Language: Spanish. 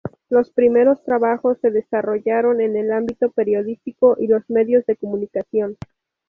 Los primeros trabajos se desarrollaron en el ámbito periodístico y los medios de comunicación.